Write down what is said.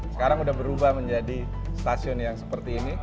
sekarang sudah berubah menjadi stasiun yang seperti ini